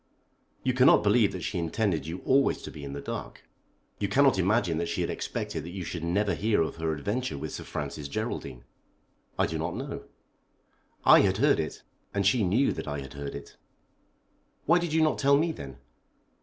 You cannot believe that she intended you always to be in the dark. You cannot imagine that she had expected that you should never hear of her adventure with Sir Francis Geraldine." "I do not know." "I had heard it, and she knew that I had heard it." "Why did you not tell me, then?"